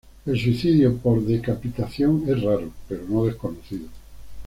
El suicidio por decapitación es raro, pero no desconocido.